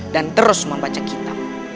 dan terus membaca kitab